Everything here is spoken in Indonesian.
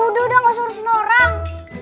udah udah gak suruh senorang